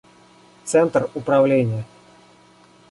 Центр управления